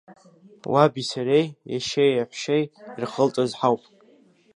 Уаби сареи ешьеи еҳәшьеи ирхылҵыз ҳауп.